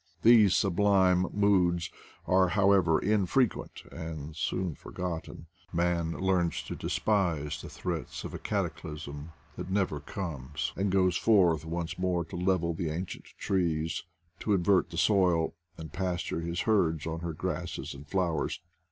These sublime moods are, however, infrequent and soon forgotten; man learns to despise the threats of a cataclysm that never comes, and goes forth once more to level the ancient trees, to invert the soil, and pasture his herds on her grasses and flowers.